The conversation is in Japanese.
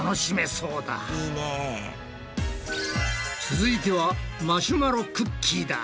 続いてはマシュマロクッキーだ。